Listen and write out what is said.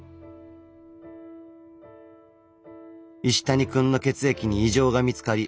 石谷くんの血液に異常が見つかり入院。